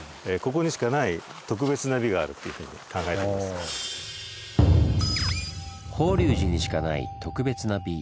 ただ法隆寺にしかない「特別な美」。